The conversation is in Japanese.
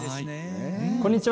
こんにちは。